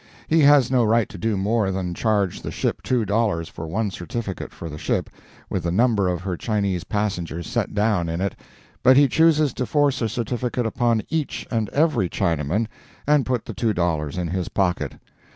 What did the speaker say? He has no right to do more than charge the ship two dollars for one certificate for the ship, with the number of her Chinese passengers set down in it; but he chooses to force a certificate upon each and every Chinaman and put the two dollars in his pocket.